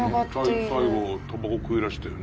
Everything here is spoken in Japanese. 最後たばこくゆらしたよね。